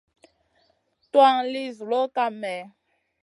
Tuwan li zuloʼ kam mèh ?